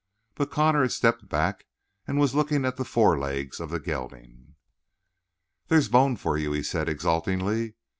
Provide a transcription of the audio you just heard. But Connor had stepped back and was looking at the forelegs of the gelding. "There's bone for you," he said exultantly.